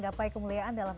gapai kemuliaan dalam